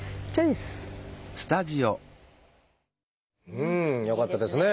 うん！よかったですね。